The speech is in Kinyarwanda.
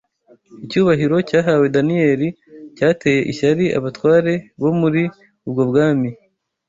Icyubahiro cyahawe Daniyeli cyateye ishyari abatware bo muri ubwo bwami